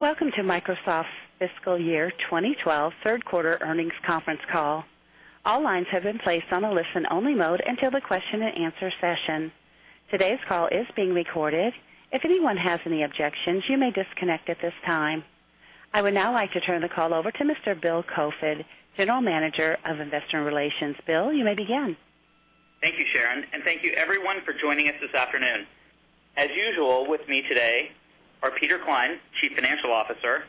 Welcome to Microsoft's Fiscal Year 2012 Third Quarter Earnings Conference Call. All lines have been placed on a listen-only mode until the question-and-answer session. Today's call is being recorded. If anyone has any objections, you may disconnect at this time. I would now like to turn the call over to Mr. Bill Koefoed, General Manager of Investor Relations. Bill, you may begin. Thank you, Sharon, and thank you everyone for joining us this afternoon. As usual, with me today are Peter Klein, Chief Financial Officer,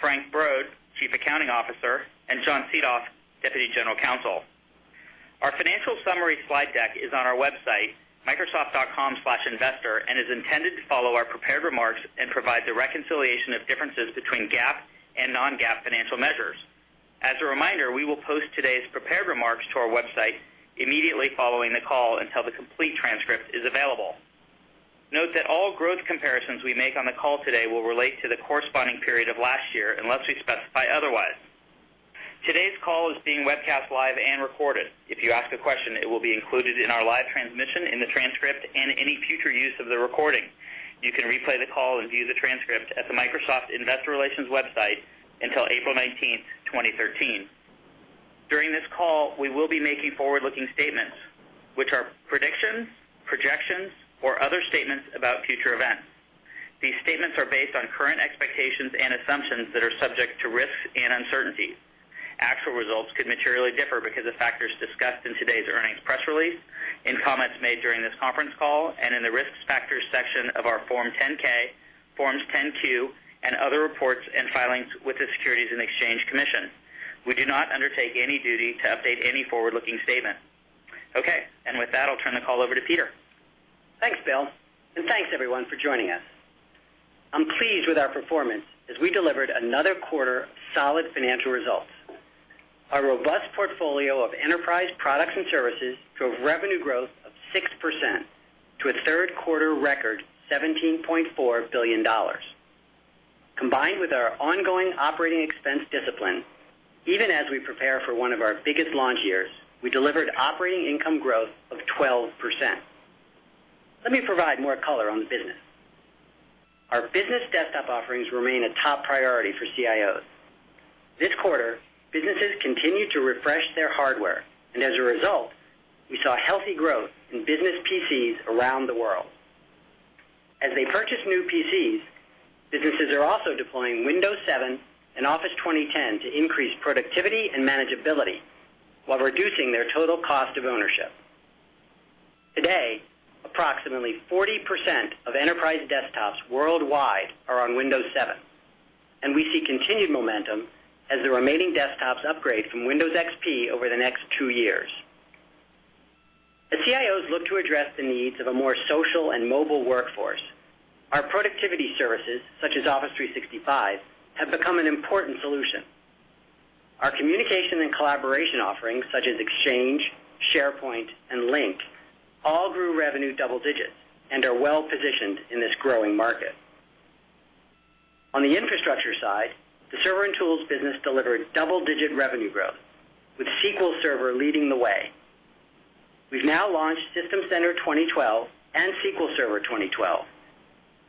Frank Brod, Chief Accounting Officer, and John Seethoff, Deputy General Counsel. Our financial summary slide deck is on our website, microsoft.com/investor, and is intended to follow our prepared remarks and provide the reconciliation of differences between GAAP and non-GAAP financial measures. As a reminder, we will post today's prepared remarks to our website immediately following the call until the complete transcript is available. Note that all growth comparisons we make on the call today will relate to the corresponding period of last year unless we specify otherwise. Today's call is being webcast live and recorded. If you ask a question, it will be included in our live transmission, in the transcript, and any future use of the recording. You can replay the call and view the transcript at the Microsoft Investor Relations website until April 19, 2013. During this call, we will be making forward-looking statements, which are predictions, projections, or other statements about future events. These statements are based on current expectations and assumptions that are subject to risks and uncertainties. Actual results could materially differ because of factors discussed in today's earnings press release, in comments made during this conference call, and in the Risk Factors section of our Form 10-K, Forms 10-Q, and other reports and filings with the Securities and Exchange Commission. We do not undertake any duty to update any forward-looking statement. Okay, with that, I'll turn the call over to Peter. Thanks, Bill, and thanks everyone for joining us. I'm pleased with our performance as we delivered another quarter of solid financial results. Our robust portfolio of enterprise products and services drove revenue growth of 6% to a third-quarter record $17.4 billion. Combined with our ongoing operating expense discipline, even as we prepare for one of our biggest launch years, we delivered operating income growth of 12%. Let me provide more color on the business. Our business desktop offerings remain a top priority for CIOs. This quarter, businesses continued to refresh their hardware, and as a result, we saw healthy growth in business PCs around the world. As they purchase new PCs, businesses are also deploying Windows 7 and Office 2010 to increase productivity and manageability while reducing their total cost of ownership. Today, approximately 40% of enterprise desktops worldwide are on Windows 7, and we see continued momentum as the remaining desktops upgrade from Windows XP over the next two years. As CIOs look to address the needs of a more social and mobile workforce, our productivity services, such as Office 365, have become an important solution. Our communication and collaboration offerings, such as Exchange, SharePoint, and Lync, all grew revenue double digits and are well positioned in this growing market. On the infrastructure side, the server and tools business delivered double-digit revenue growth, with SQL Server leading the way. We've now launched System Center 2012 and SQL Server 2012,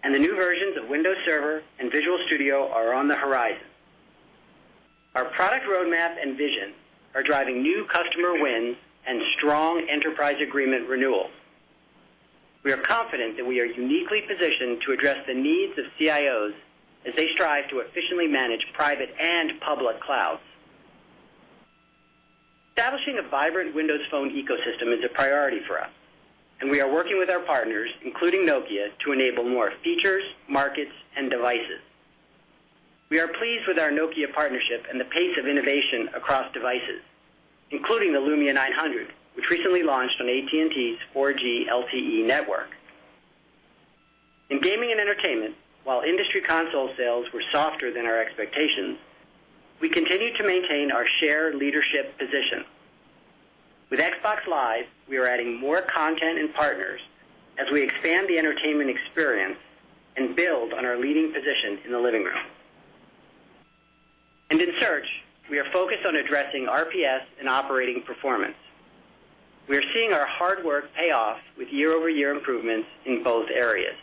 and the new versions of Windows Server and Visual Studio are on the horizon. Our product roadmap and vision are driving new customer win and strong enterprise agreement renewal. We are confident that we are uniquely positioned to address the needs of CIOs as they strive to efficiently manage private and public clouds. Establishing a vibrant Windows Phone ecosystem is a priority for us, and we are working with our partners, including Nokia, to enable more features, markets, and devices. We are pleased with our Nokia partnership and the pace of innovation across devices, including the Lumia 900, which recently launched on AT&T's 4G LTE network. In gaming and entertainment, while industry console sales were softer than our expectations, we continue to maintain our shared leadership position. With Xbox Live, we are adding more content and partners as we expand the entertainment experience and build on our leading position in the living room. In search, we are focused on addressing RPS and operating performance. We are seeing our hard work pay off with year-over-year improvements in both areas.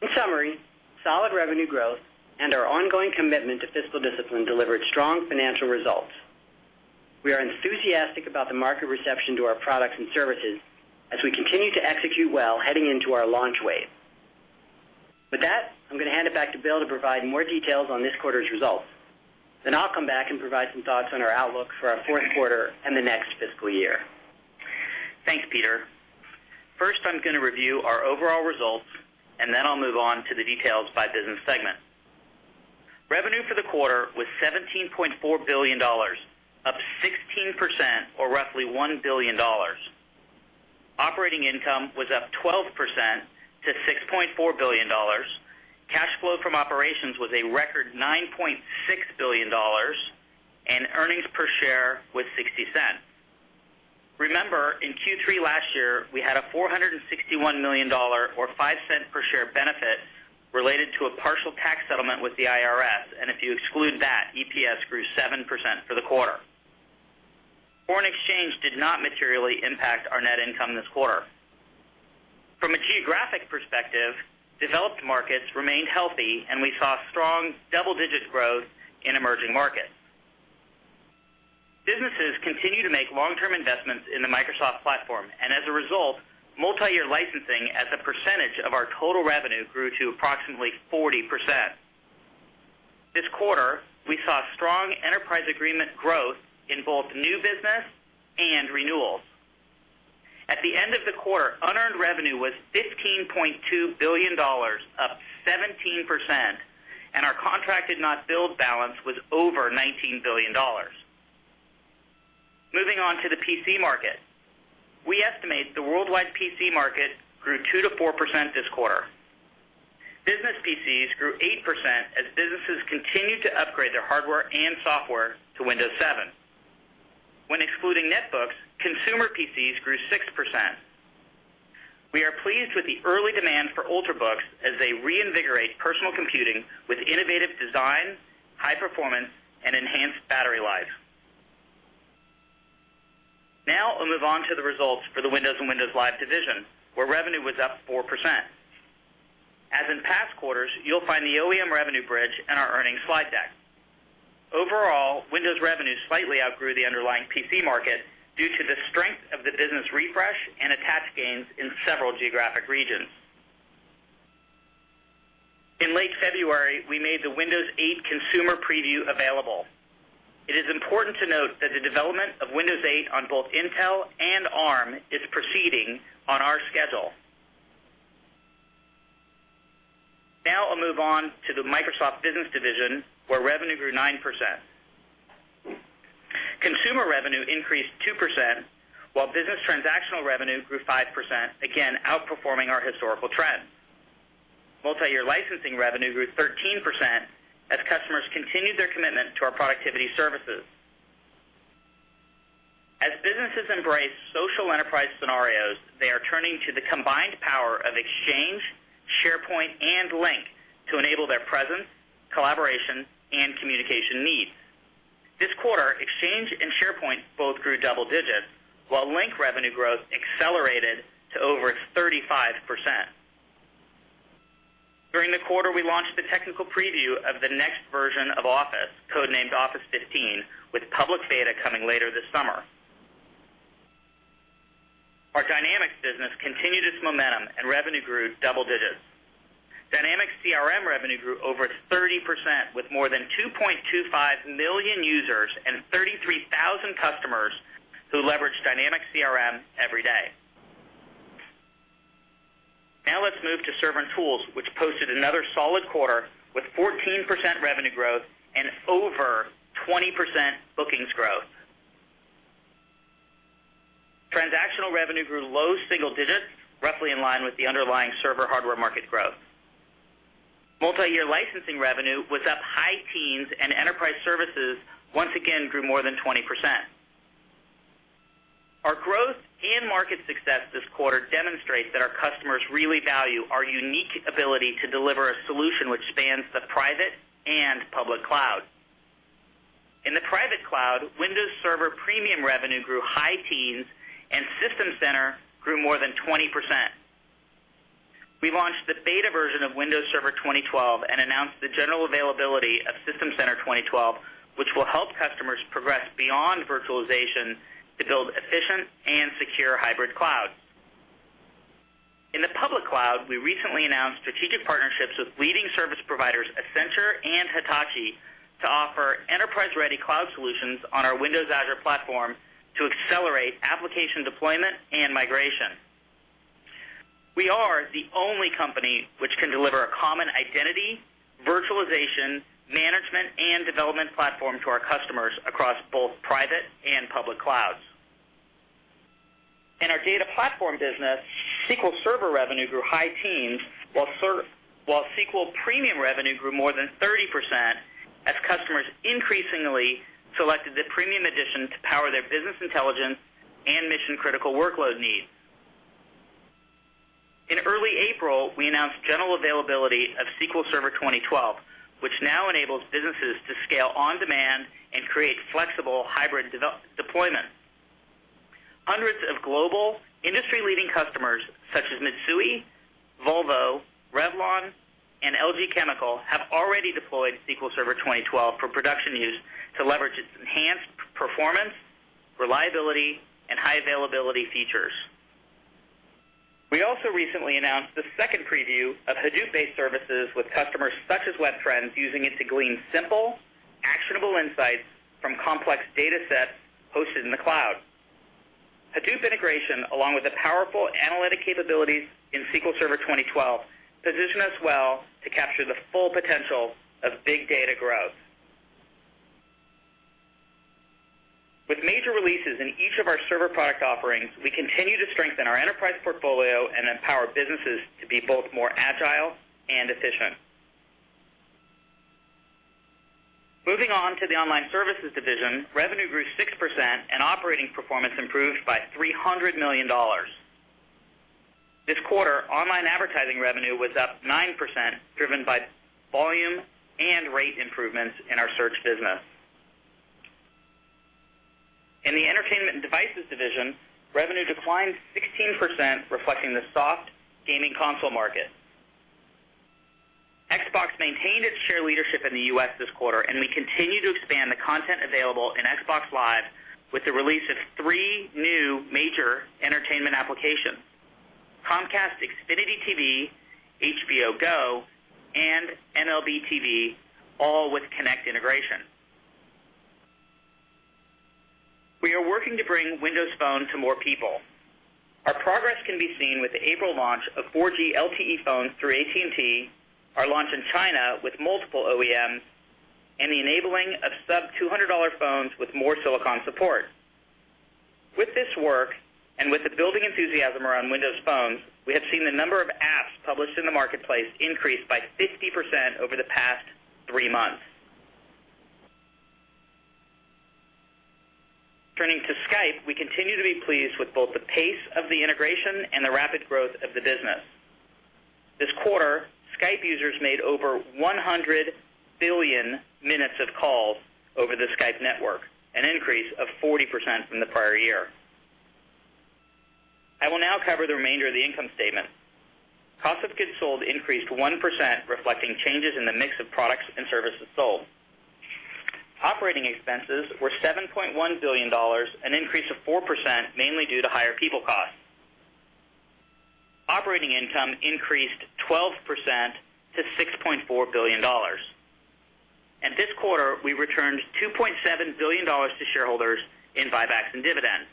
In summary, solid revenue growth and our ongoing commitment to fiscal discipline delivered strong financial results. We are enthusiastic about the market reception to our products and services as we continue to execute well heading into our launch wave. With that, I'm going to hand it back to Bill to provide more details on this quarter's results. I'll come back and provide some thoughts on our outlook for our fourth quarter and the next fiscal year. Thanks, Peter. First, I'm going to review our overall results, and then I'll move on to the details by business segment. Revenue for the quarter was $17.4 billion, up 16% or roughly $1 billion. Operating income was up 12% to $6.4 billion. Cash flow from operations was a record $9.6 billion, and earnings per share was $0.60. Remember, in Q3 last year, we had a $461 million or $0.05 per share benefit related to a partial tax settlement with the IRS, and if you exclude that, EPS grew 7% for the quarter. Foreign exchange did not materially impact our net income this quarter. From a geographic perspective, developed markets remained healthy, and we saw strong double-digit growth in emerging markets. Businesses continue to make long-term investments in the Microsoft platform, and as a result, multi-year licensing as a percentage of our total revenue grew to approximately 40%. This quarter, we saw strong enterprise agreement growth in both new business and renewals. At the end of the quarter, unearned revenue was $15.2 billion, up 17%, and our contracted not billed balance was over $19 billion. Moving on to the PC market, we estimate the worldwide PC market grew 2%-4% this quarter. Business PCs grew 8% as businesses continued to upgrade their hardware and software to Windows 7. When excluding netbooks, consumer PCs grew 6%. We are pleased with the early demand for Ultrabooks as they reinvigorate personal computing with innovative designs, high performance, and enhanced battery lives. Now, I'll move on to the results for the Windows and Windows Live division, where revenue was up 4%. As in past quarters, you'll find the OEM revenue bridge in our earnings slide deck. Overall, Windows revenue slightly outgrew the underlying PC market due to the strength of the business refresh and attached gains in several geographic regions. In late February, we made the Windows 8 consumer preview available. It is important to note that the development of Windows 8 on both Intel and ARM is proceeding on our schedule. Now, I'll move on to the Microsoft Business division, where revenue grew 9%. Consumer revenue increased 2%, while business transactional revenue grew 5%, again outperforming our historical trend. Multi-year licensing revenue grew 13% as customers continued their commitment to our productivity services. As businesses embrace social enterprise scenarios, they are turning to the combined power of Exchange, SharePoint, and Lync to enable their presence, collaboration, and communication needs. This quarter, Exchange and SharePoint both grew double digits, while Lync revenue growth accelerated to over 35%. During the quarter, we launched the technical preview of the next version of Office, codenamed Office 15, with public beta coming later this summer. Our Dynamics business continued its momentum, and revenue grew double digits. Dynamics CRM revenue grew over 30% with more than 2.25 million users and 33,000 customers who leverage Dynamics CRM every day. Now, let's move to server and tools, which posted another solid quarter with 14% revenue growth and over 20% bookings growth. Transactional revenue grew low single digits, roughly in line with the underlying server hardware market growth. Multi-year licensing revenue was up high teens, and enterprise services once again grew more than 20%. Our growth in market success this quarter demonstrates that our customers really value our unique ability to deliver a solution which spans the private and public cloud. In the private cloud, Windows Server premium revenue grew high teens, and System Center grew more than 20%. We launched the beta version of Windows Server 2012 and announced the general availability of System Center 2012, which will help customers progress beyond virtualization to build efficient and secure hybrid clouds. In the public cloud, we recently announced strategic partnerships with leading service providers Accenture and Hitachi to offer enterprise-ready cloud solutions on our Windows Azure platform to accelerate application deployment and migration. We are the only company which can deliver a common identity, virtualization, management, and development platform to our customers across both private and public clouds. In our data platform business, SQL Server revenue grew high teens, while SQL Premium revenue grew more than 30% as customers increasingly selected the Premium Edition to power their business intelligence and mission-critical workload needs. In early April, we announced general availability of SQL Server 2012, which now enables businesses to scale on demand and create flexible hybrid deployment. Hundreds of global, industry-leading customers such as Mitsui, Volvo, Revlon, and LG Chemical have already deployed SQL Server 2012 for production use to leverage its enhanced performance, reliability, and high availability features. We also recently announced the second preview of Hadoop-based services with customers such as Webtrends using it to glean simple, actionable insights from complex datasets hosted in the cloud. Hadoop integration, along with the powerful analytic capabilities in SQL Server 2012, positioned us well to capture the full potential of big data growth. With major releases in each of our server product offerings, we continue to strengthen our enterprise portfolio and empower businesses to be both more agile and efficient. Moving on to the Online Services division, revenue grew 6% and operating performance improved by $300 million. This quarter, online advertising revenue was up 9%, driven by volume and rate improvements in our search business. In the Entertainment and Devices division, revenue declined 16%, reflecting the soft gaming console market. Xbox maintained its share leadership in the U.S. this quarter, and we continue to expand the content available in Xbox Live with the release of three new major entertainment applications: Comcast Xfinity TV, HBO Go, and MLB TV, all with Kinect integration. We are working to bring Windows Phone to more people. Our progress can be seen with the April launch of 4G LTE phones through AT&T, our launch in China with multiple OEMs, and the enabling of sub-$200 phones with more silicon support. With this work and with the building enthusiasm around Windows Phones, we have seen the number of apps published in the marketplace increase by 50% over the past three months. Turning to Skype, we continue to be pleased with both the pace of the integration and the rapid growth of the business. This quarter, Skype users made over 100 billion minutes of calls over the Skype network, an increase of 40% from the prior year. I will now cover the remainder of the income statement. Cost of goods sold increased 1%, reflecting changes in the mix of products and services sold. Operating expenses were $7.1 billion, an increase of 4%, mainly due to higher people costs. Operating income increased 12% to $6.4 billion. This quarter, we returned $2.7 billion to shareholders in buybacks and dividends.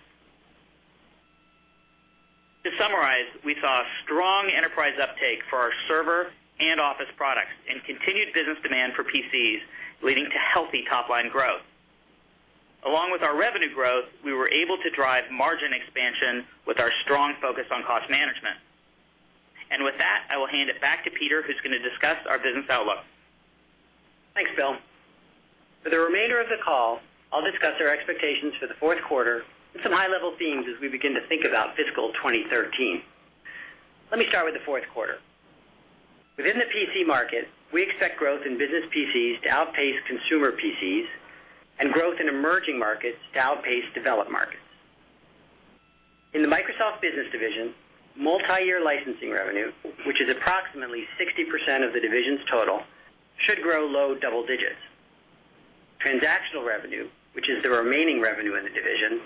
To summarize, we saw a strong enterprise uptake for our server and Office products and continued business demand for PCs, leading to healthy top-line growth. Along with our revenue growth, we were able to drive margin expansion with our strong focus on cost management. With that, I will hand it back to Peter, who's going to discuss our business outlook. Thanks, Bill. For the remainder of the call, I'll discuss our expectations for the fourth quarter and some high-level themes as we begin to think about fiscal 2013. Let me start with the fourth quarter. Within the PC market, we expect growth in business PCs to outpace consumer PCs and growth in emerging markets to outpace developed markets. In the Microsoft Business Division, multi-year licensing revenue, which is approximately 60% of the division's total, should grow low double digits. Transactional revenue, which is the remaining revenue in the division,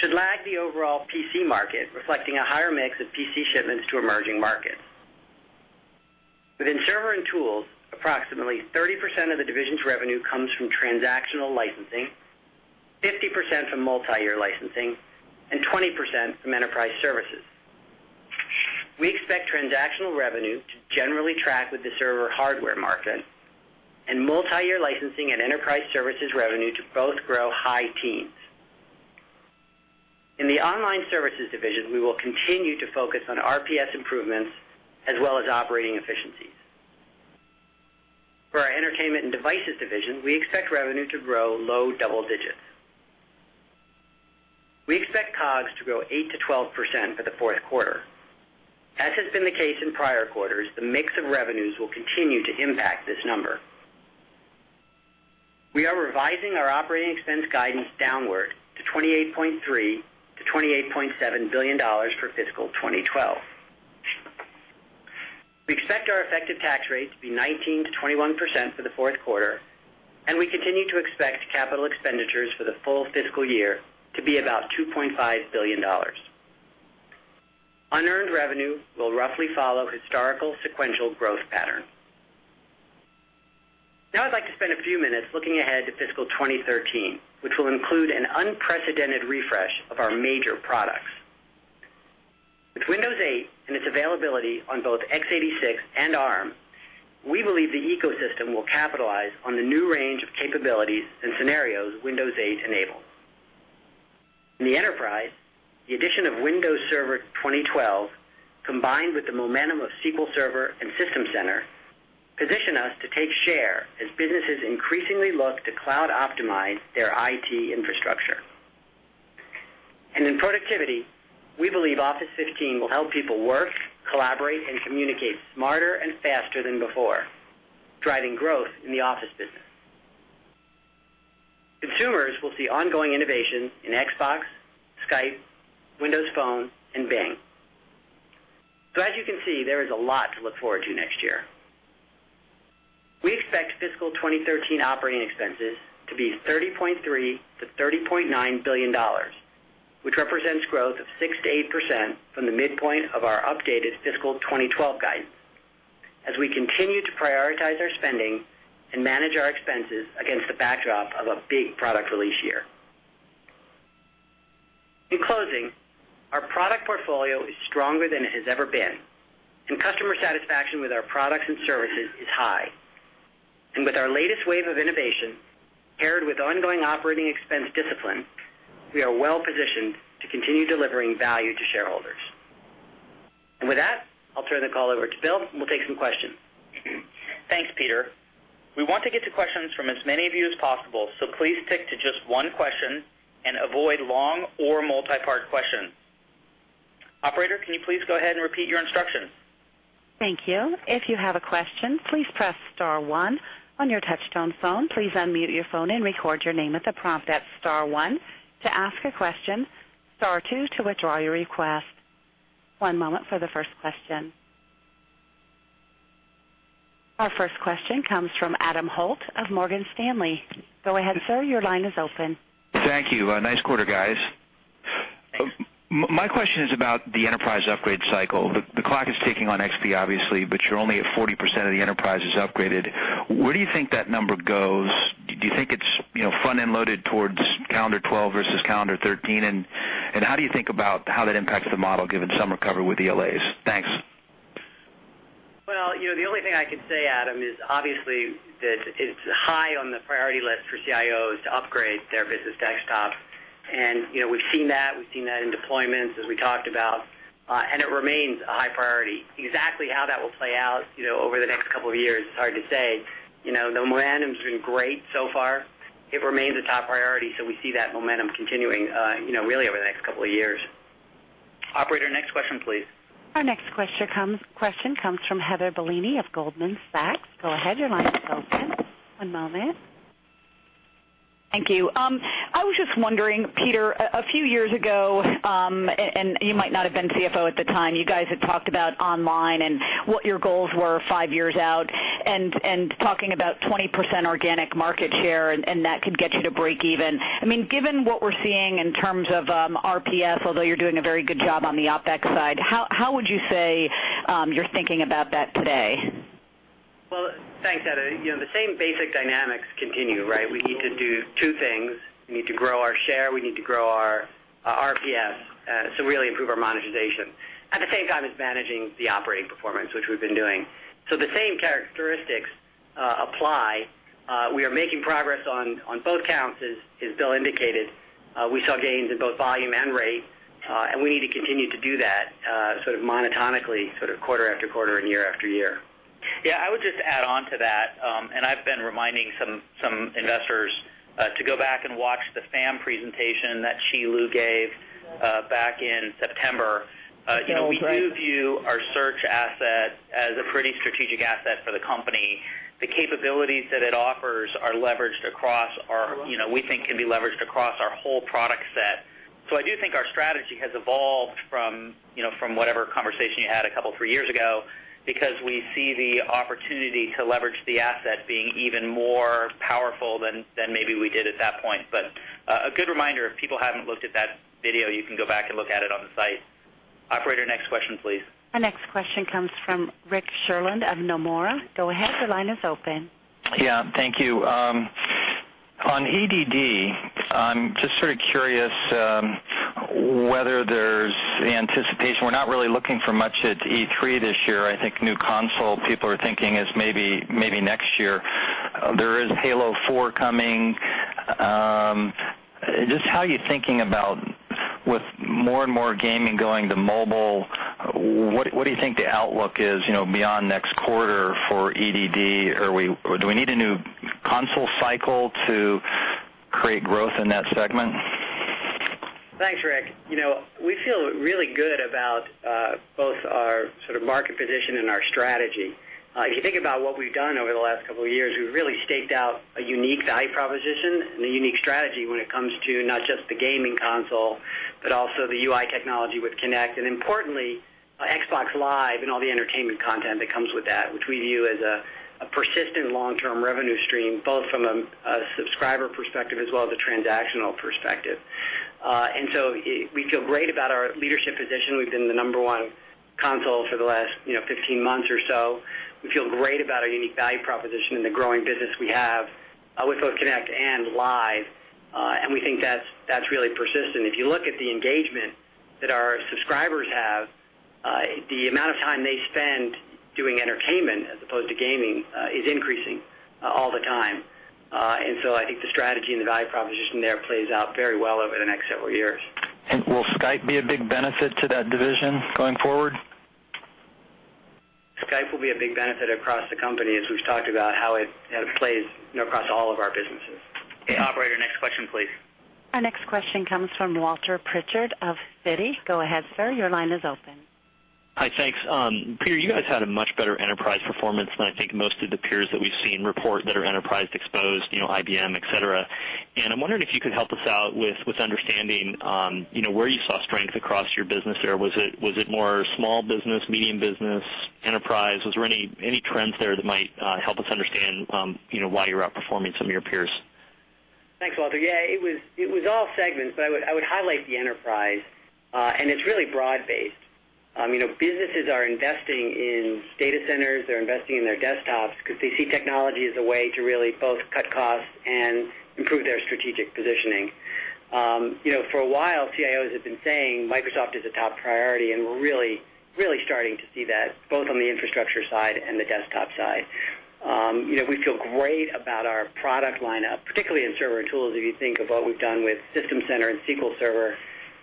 should lag the overall PC market, reflecting a higher mix of PC shipments to emerging markets. Within Server and Tools, approximately 30% of the division's revenue comes from transactional licensing, 50% from multi-year licensing, and 20% from enterprise services. We expect transactional revenue to generally track with the server hardware market and multi-year licensing and enterprise services revenue to both grow high teens. In the Online Services Division, we will continue to focus on RPS improvements as well as operating efficiencies. For our Entertainment and Devices Division, we expect revenue to grow low double digits We expect COGS to grow 8%-12% for the fourth quarter. As has been the case in prior quarters, the mix of revenues will continue to impact this number. We are revising our operating expense guidance downward to $28.3 billion-$28.7 billion for fiscal 2012. We expect our effective tax rate to be 19%-21% for the fourth quarter, and we continue to expect capital expenditures for the full fiscal year to be about $2.5 billion. Unearned revenue will roughly follow historical sequential growth patterns. Now, I'd like to spend a few minutes looking ahead to fiscal 2013, which will include an unprecedented refresh of our major products. With Windows 8 and its availability on both x86 and ARM architectures, we believe the ecosystem will capitalize on the new range of capabilities and scenarios Windows 8 enabled. In the enterprise, the addition of Windows Server 2012, combined with the momentum of SQL Server and System Center, position us to take share as businesses increasingly look to cloud-optimize their IT infrastructure. In productivity, we believe Office 15 will help people work, collaborate, and communicate smarter and faster than before, driving growth in the Office business. Consumers will see ongoing innovation in Xbox, Skype, Windows Phone, and Bing. As you can see, there is a lot to look forward to next year. We expect fiscal 2013 operating expenses to be $30.3 billion-$30.9 billion, which represents growth of 6%-8% from the midpoint of our updated fiscal 2012 guidance, as we continue to prioritize our spending and manage our expenses against the backdrop of a big product release year. In closing, our product portfolio is stronger than it has ever been, and customer satisfaction with our products and services is high. With our latest wave of innovation paired with ongoing operating expense discipline, we are well positioned to continue delivering value to shareholders. With that, I'll turn the call over to Bill, and we'll take some questions. Thanks, Peter. We want to get to questions from as many of you as possible, so please stick to just one question and avoid long or multi-part questions. Operator, can you please go ahead and repeat your instructions? Thank you. If you have a question, please press star one on your touch-tone phone. Please unmute your phone and record your name at the prompt. Press star one to ask a question, star two to withdraw your request. One moment for the first question. Our first question comes from Adam Holt of Morgan Stanley. Go ahead, sir, your line is open. Thank you. Nice quarter, guys. My question is about the enterprise upgrade cycle. The clock is ticking on XP, obviously, but you're only at 40% of the enterprises upgraded. Where do you think that number goes? Do you think it's front-end loaded towards calendar 2012 versus calendar 2013, and how do you think about how that impacts the model given some recovery with ELAs? Thanks. The only thing I can say, Adam, is obviously that it's high on the priority list for CIOs to upgrade their business desktop, and we've seen that. We've seen that in deployments as we talked about, and it remains a high priority. Exactly how that will play out over the next couple of years is hard to say. The momentum has been great so far. It remains a top priority, so we see that momentum continuing really over the next couple of years. Operator, next question, please. Our next question comes from Heather Bellini of Goldman Sachs. Go ahead, your line is open. One moment. Thank you. I was just wondering, Peter, a few years ago, and you might not have been CFO at the time, you guys had talked about online and what your goals were five years out and talking about 20% organic market share, and that could get into break even. Given what we're seeing in terms of RPF, although you're doing a very good job on the OpEx side, how would you say you're thinking about that today? Thank you, Heather. The same basic dynamics continue. We need to do two things. We need to grow our share, we need to grow our RPF, so really improve our monetization at the same time as managing the operating performance, which we've been doing. The same characteristics apply. We are making progress on both counts, as Bill indicated. We saw gains in both volume and rate, and we need to continue to do that sort of monotonically, sort of quarter after quarter and year after year. I would just add on to that, and I've been reminding some investors to go back and watch the FAM presentation that Qi Lu gave back in September. That's right. We do view our search asset as a pretty strategic asset for the company. The capabilities that it offers are leveraged across our, we think can be leveraged across our whole product set. I do think our strategy has evolved from whatever conversation you had a couple of years ago because we see the opportunity to leverage the asset being even more powerful than maybe we did at that point. A good reminder, if people haven't looked at that video, you can go back and look at it on the site. Operator, next question, please. Our next question comes from Rick Sherlund of Nomura. Go ahead, the line is open. Thank you. On EDD, I'm just sort of curious whether there's the anticipation. We're not really looking for much at E3 this year. I think new console people are thinking is maybe next year. There is Halo 4 coming. Just how are you thinking about with more and more gaming going to mobile? What do you think the outlook is beyond next quarter for EDD? Do we need a new console cycle to create growth in that segment? Thanks, Rick. We feel really good about both our market position and our strategy. If you think about what we've done over the last couple of years, we really staked out a unique value proposition and a unique strategy when it comes to not just the gaming console, but also the UI technology with Kinect, and importantly, Xbox Live and all the entertainment content that comes with that, which we view as a persistent long-term revenue stream both from a subscriber perspective as well as a transactional perspective. We feel great about our leadership position. We've been the number one console for the last 15 months or so. We feel great about our unique value proposition and the growing business we have with both Kinect and Live, and we think that's really persistent. If you look at the engagement that our subscribers have, the amount of time they spend doing entertainment as opposed to gaming is increasing all the time. I think the strategy and the value proposition there plays out very well over the next several years. Will Skype be a big benefit to that division going forward? Skype will be a big benefit across the company as we've talked about how it plays across all of our businesses. Operator, next question, please. Our next question comes from Walter Pritchard of Citi. Go ahead, sir, your line is open. Hi, thanks. Peter, you guys had a much better enterprise performance than I think most of the peers that we've seen report that are enterprise exposed, IBM, etc. I'm wondering if you could help us out with understanding where you saw strength across your business there. Was it more small business, medium business, enterprise? Was there any trends there that might help us understand why you're outperforming some of your peers? Thanks, Walter. Yeah, it was all segments, but I would highlight the enterprise, and it's really broad-based. Businesses are investing in data centers, they're investing in their desktops because they see technology as a way to really both cut costs and improve their strategic positioning. For a while, CIOs have been saying Microsoft is a top priority, and we're really starting to see that both on the infrastructure side and the desktop side. We feel great about our product lineup, particularly in server and tools. If you think of what we've done with System Center and SQL Server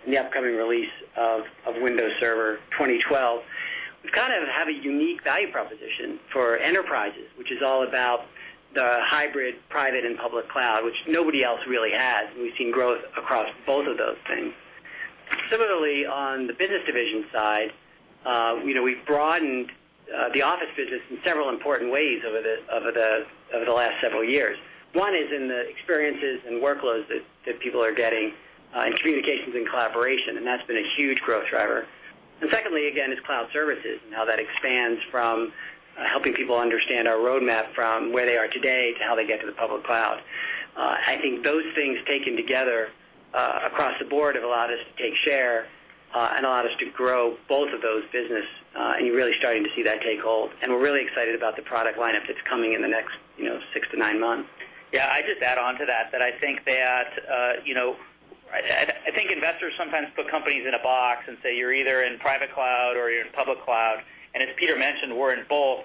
in the upcoming release of Windows Server 2012, we kind of have a unique value proposition for enterprises, which is all about the hybrid private and public cloud, which nobody else really has. We've seen growth across both of those things. Similarly, on the Business Division side, we've broadened the Office business in several important ways over the last several years. One is in the experiences and workloads that people are getting in communications and collaboration, and that's been a huge growth driver. Secondly, again, is cloud services and how that expands from helping people understand our roadmap from where they are today to how they get to the public cloud. I think those things taken together across the board have allowed us to take share and allowed us to grow both of those businesses, and you're really starting to see that take hold. We're really excited about the product lineup that's coming in the next six to nine months. Yeah, I just add on to that that I think investors sometimes put companies in a box and say you're either in private cloud or you're in public cloud, and as Peter mentioned, we're in both.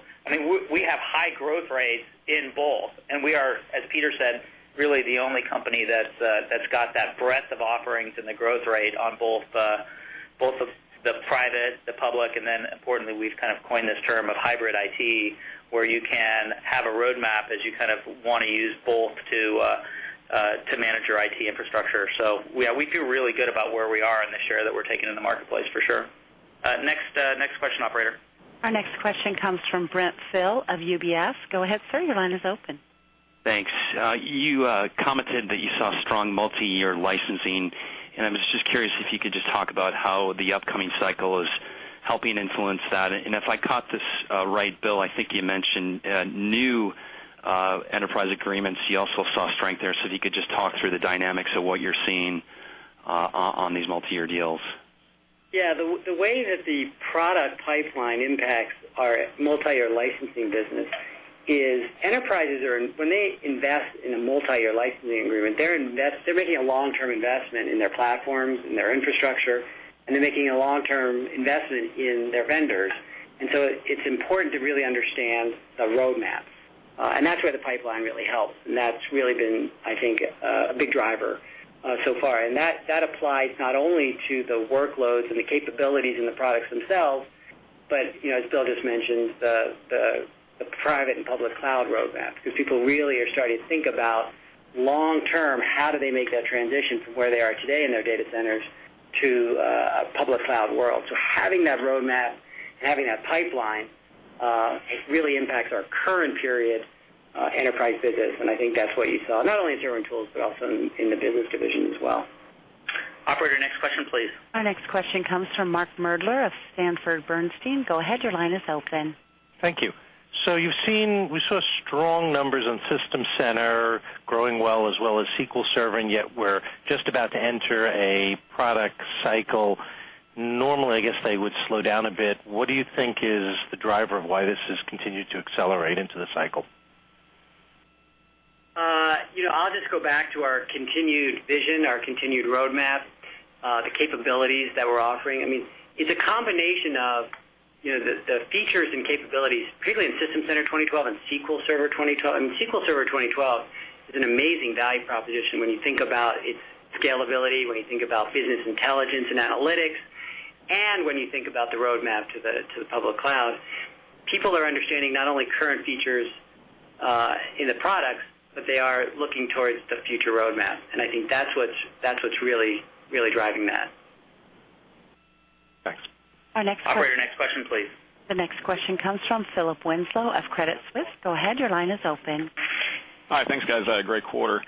We have high growth rates in both, and we are, as Peter said, really the only company that's got that breadth of offerings and the growth rate on both the private, the public, and then importantly, we've kind of coined this term of hybrid IT where you can have a roadmap as you kind of want to use both to manage your IT infrastructure. We feel really good about where we are in the share that we're taking in the marketplace for sure. Next question, operator. Our next question comes from Brent Thill of UBS. Go ahead, sir, your line is open. Thanks. You commented that you saw strong multi-year licensing, and I was just curious if you could talk about how the upcoming cycle is helping influence that. If I caught this right, Bill, I think you mentioned new enterprise agreements. You also saw strength there, so if you could talk through the dynamics of what you're seeing on these multi-year deals. Yeah, the way that the product pipeline impacts our multi-year licensing business is enterprises, when they invest in a multi-year licensing agreement, they're making a long-term investment in their platforms, in their infrastructure, and they're making a long-term investment in their vendors. It's important to really understand the roadmap, and that's where the pipeline really helps, and that's really been, I think, a big driver so far. That applies not only to the workloads and the capabilities in the products themselves, but as Bill just mentioned, the private and public cloud roadmap because people really are starting to think about long-term how do they make that transition from where they are today in their data centers to a public cloud world. Having that roadmap and having that pipeline really impacts our current period enterprise business, and I think that's what you saw not only in server and tools, but also in the Business Division as well. Operator, next question, please. Our next question comes from Mark Moerdler of Sanford Bernstein. Go ahead, your line is open. Thank you. We saw strong numbers on System Center growing well as well as SQL Server, and yet we're just about to enter a product cycle. Normally, I guess they would slow down a bit. What do you think is the driver of why this has continued to accelerate into the cycle? I'll just go back to our continued vision, our continued roadmap, the capabilities that we're offering. It's a combination of the features and capabilities, particularly in System Center 2012 and SQL Server 2012. SQL Server 2012 is an amazing value proposition when you think about its scalability, when you think about business intelligence and analytics, and when you think about the roadmap to the public cloud. People are understanding not only current features in the products, but they are looking towards the future roadmap, and I think that's what's really driving that. Thanks. Operator, next question, please. The next question comes from Philip Winslow of Credit Suisse. Go ahead, your line is open. Hi, thanks guys, great quarter.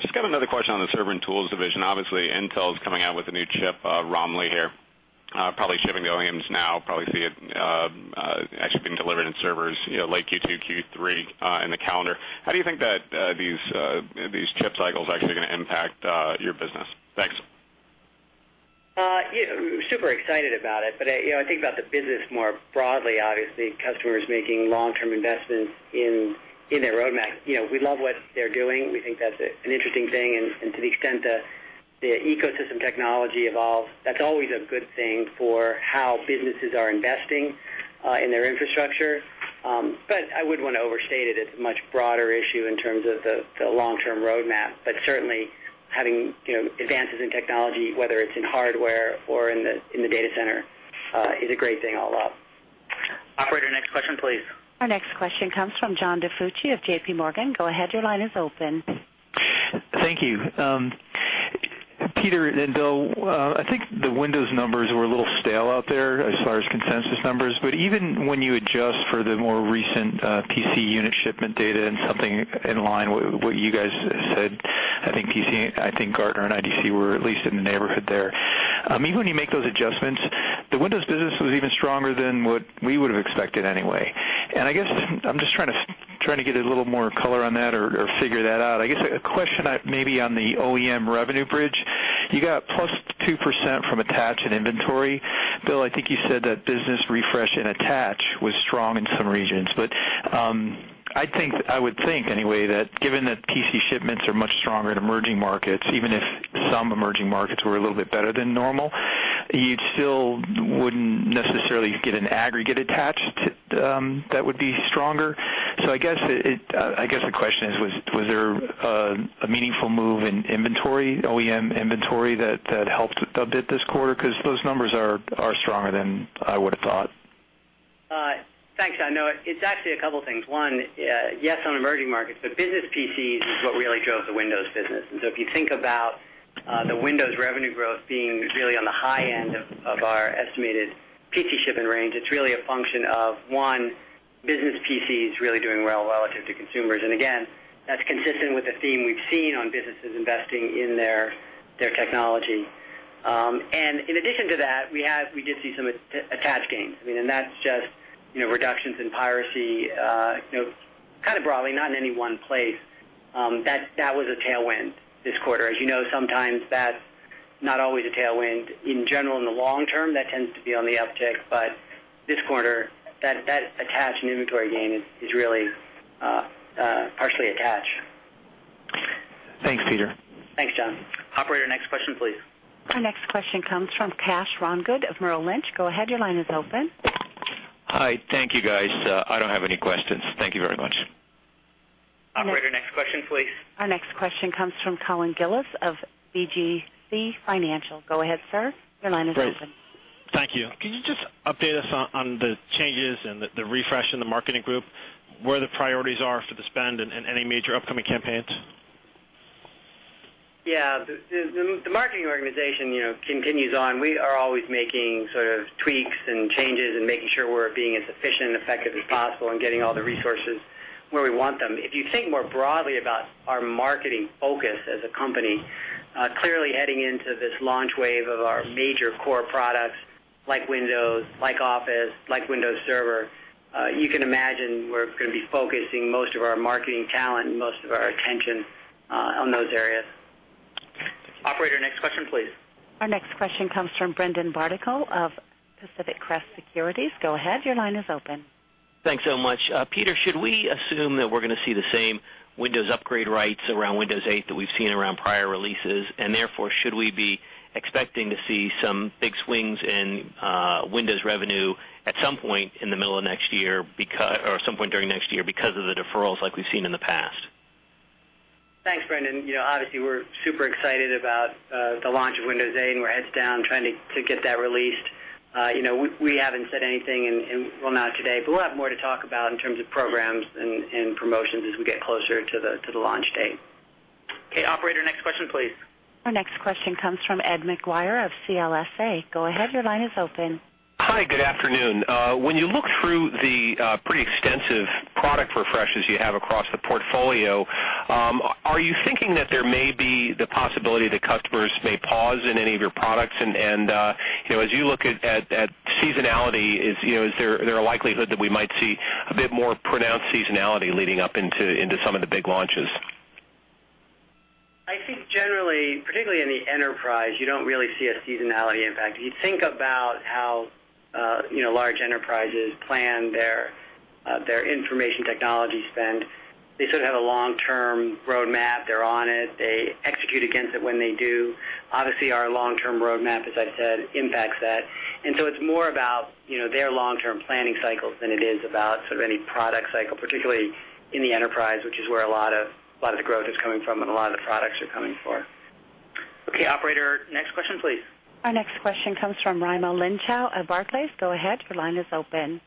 Just got another question on the Server and Tools Division. Obviously, Intel is coming out with a new chip, Romly here, probably shipping to the OEMs now. Probably see it actually being delivered in servers late Q2, Q3 in the calendar. How do you think that these chip cycles actually are going to impact your business? Thanks. Super excited about it, but I think about the business more broadly. Obviously, customers making long-term investments in their roadmap. We love what they're doing. We think that's an interesting thing, and to the extent the ecosystem technology evolves, that's always a good thing for how businesses are investing in their infrastructure. I wouldn't want to overstate it. It's a much broader issue in terms of the long-term roadmap, but certainly having advances in technology, whether it's in hardware or in the data center, is a great thing all along. Operator, next question, please. Our next question comes from John DiFucci of J.P. Morgan. Go ahead, your line is open. Thank you. Peter and Bill, I think the Windows numbers were a little stale out there as far as consensus numbers, but even when you adjust for the more recent PC unit shipment data and something in line with what you guys said, I think Gartner and IDC were at least in the neighborhood there. Even when you make those adjustments, the Windows business was even stronger than what we would have expected anyway. I'm just trying to get a little more color on that or figure that out. I get a question maybe on the OEM revenue bridge. You got +2% from Attach and Inventory. Bill, I think you said that business refresh and Attach was strong in some regions, but I would think anyway that given that PC shipments are much stronger in emerging markets, even if some emerging markets were a little bit better than normal, you still wouldn't necessarily get an aggregate Attach that would be stronger. I guess the question is, was there a meaningful move in OEM inventory that helped a bit this quarter? Because those numbers are stronger than I would have thought. Thanks, John. It's actually a couple of things. One, yes, on emerging markets, but business PCs is what really drove the Windows business. If you think about the Windows revenue growth being really on the high end of our estimated PC shipment range, it's really a function of, one, business PCs really doing well relative to consumers. That's consistent with the theme we've seen on businesses investing in their technology. In addition to that, we did see some Attach gains, and that's just reductions in piracy, kind of broadly, not in any one place. That was a tailwind this quarter. As you know, sometimes that's not always a tailwind. In general, in the long term, that tends to be on the uptick, but this quarter that Attach and inventory gain is really partially Attach. Thanks, Peter. Thanks, John. Operator, next question, please. Our next question comes from Kash Rangan of Merrill Lynch. Go ahead, your line is open. Hi, thank you. I don't have any questions. Thank you very much. Operator, next question, please. Our next question comes from Colin Gillis of BGC Financial. Go ahead, sir, your line is open. Thank you. Can you just update us on the changes and the refresh in the marketing group, where the priorities are for the spend, and any major upcoming campaigns? Yeah, the marketing organization continues on. We are always making tweaks and changes and making sure we're being as efficient and effective as possible and getting all the resources where we want them. If you think more broadly about our marketing focus as a company, clearly heading into this launch wave of our major core products like Windows, like Office, like Windows Server, you can imagine we're going to be focusing most of our marketing talent and most of our attention on those areas. Operator, next question, please. Our next question comes from Brendan Barnicle of Pacific Crest Securities. Go ahead, your line is open. Thanks so much. Peter, should we assume that we're going to see the same Windows upgrade rates around Windows 8 that we've seen around prior releases, and therefore should we be expecting to see some big swings in Windows revenue at some point in the middle of next year or at some point during next year because of the deferrals like we've seen in the past? Thanks, Brendan. Obviously, we're super excited about the launch of Windows 8, and we're heads down trying to get that released. We haven't said anything and will not today, but we'll have more to talk about in terms of programs and promotions as we get closer to the launch date. Okay, operator, next question, please. Our next question comes from Ed Maguire of CLSA. Go ahead, your line is open. Hi, good afternoon. When you look through the pretty extensive product refreshes you have across the portfolio, are you thinking that there may be the possibility that customers may pause in any of your products? As you look at seasonality, is there a likelihood that we might see a bit more pronounced seasonality leading up into some of the big launches? I think generally, particularly in the enterprise, you don't really see a seasonality impact. If you think about how large enterprises plan their information technology spend, they sort of have a long-term roadmap. They're on it. They execute against it when they do. Obviously, our long-term roadmap, as I said, impacts that. It's more about their long-term planning cycles than it is about any product cycle, particularly in the enterprise, which is where a lot of the growth is coming from and a lot of the products are coming for. Okay, operator, next question, please. Our next question comes from Raimo Lenschow of Barclays. Go ahead, your line is open.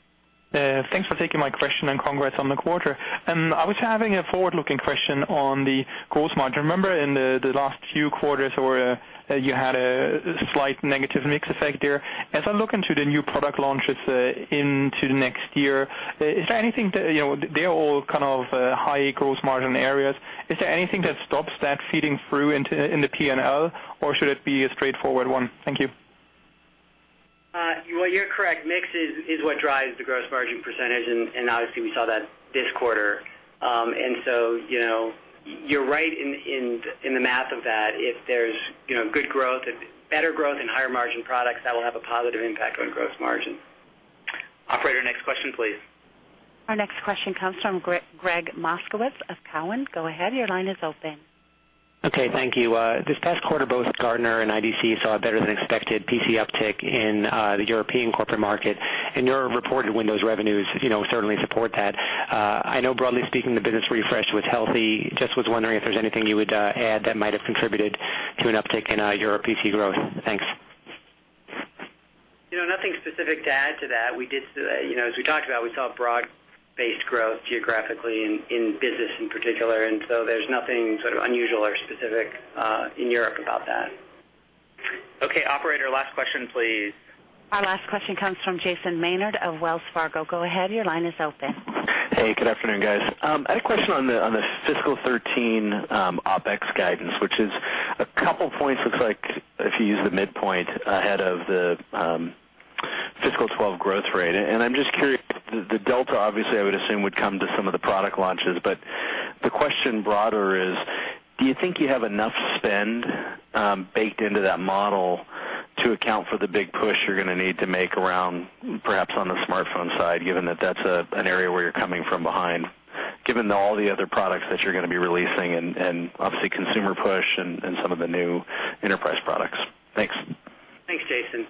Thanks for taking my question and congrats on the quarter. I was having a forward-looking question on the gross margin. Remember in the last few quarters where you had a slight negative mix effect there. As I look into the new product launches into the next year, is there anything that they're all kind of high gross margin areas? Is there anything that stops that feeding through into the P&L, or should it be a straightforward one? Thank you. You're correct. Mix is what drives the gross margin percentage, and obviously we saw that this quarter. You're right in the math of that. If there's good growth and better growth in higher margin products, that will have a positive impact on gross margin. Operator, next question, please. Our next question comes from Gregg Moskowitz of Cowen. Go ahead, your line is open. Okay, thank you. This past quarter, both Gartner and IDC saw a better than expected PC uptick in the European corporate market, and your reported Windows revenues certainly support that. I know broadly speaking, the business refresh was healthy. I was wondering if there's anything you would add that might have contributed to an uptick in your PC growth. Thanks. Nothing specific to add to that. As we talked about, we saw broad-based growth geographically in business in particular, and there's nothing unusual or specific in Europe about that. Okay, operator, last question, please. Our last question comes from Jason Maynard of Wells Fargo. Go ahead, your line is open. Hey, good afternoon guys. I had a question on the fiscal 2013 operating expense guidance, which is a couple of points. Looks like if you use the midpoint ahead of the fiscal 2012 growth rate, and I'm just curious, the OpEx obviously I would assume would come to some of the product launches, but the question broader is, do you think you have enough spend baked into that model to account for the big push you're going to need to make around perhaps on the smartphone side, given that that's an area where you're coming from behind, given all the other products that you're going to be releasing and obviously consumer push and some of the new enterprise products? Thanks. Thanks, Jason.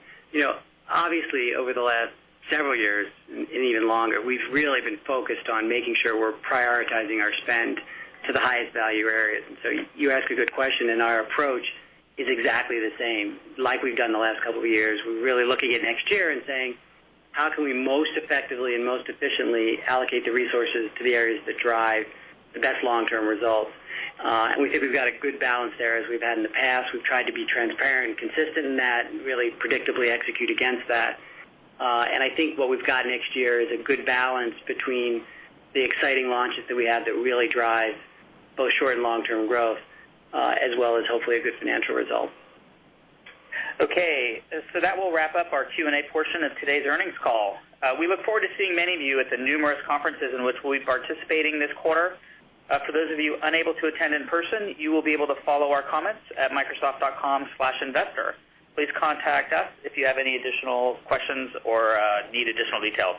Obviously, over the last several years and even longer, we've really been focused on making sure we're prioritizing our spend to the highest value area. You asked a good question, and our approach is exactly the same. Like we've done the last couple of years, we're really looking at next year and saying, how can we most effectively and most efficiently allocate the resources to the areas that drive the best long-term results? I think we've got a good balance there as we've had in the past. We've tried to be transparent and consistent in that and really predictably execute against that. I think what we've got next year is a good balance between the exciting launches that we have that really drive both short and long-term growth as well as hopefully a good financial result. Okay, that will wrap up our Q&A portion of today's earnings call. We look forward to seeing many of you at the numerous conferences in which we'll be participating this quarter. For those of you unable to attend in person, you will be able to follow our comments at Microsoft.com/investor. Please contact us if you have any additional questions or need additional details.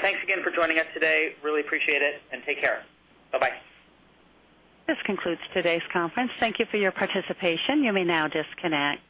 Thanks again for joining us today. Really appreciate it and take care. Bye-bye. This concludes today's conference. Thank you for your participation. You may now disconnect.